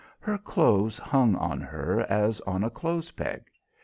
Her clothes hung on her as on a clothes peg.